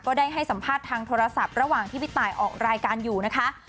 ได้ให้สัมภาษณ์ทางโทรศัพท์ระหว่างที่พี่ตายออกรายการอยู่นะคะ